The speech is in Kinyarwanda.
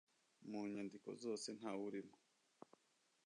Mu nyandiko zose ntawurimo.